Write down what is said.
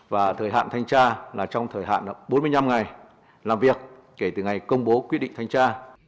và thời hạn thanh tra là trong thời hạn bốn mươi năm ngày làm việc kể từ ngày công bố quyết định thanh tra